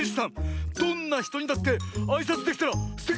どんなひとにだってあいさつできたらすてきだよ！